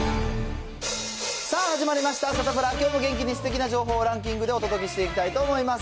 さあ、始まりましたサタプラ、きょうも元気にすてきな情報をランキングでお届けしていきたいと思います。